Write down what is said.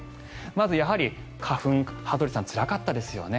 まずやはり、花粉羽鳥さん、つらかったですよね。